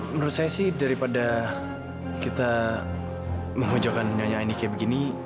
menurut saya sih daripada kita mengujakan nyanyi nyanyi kayak begini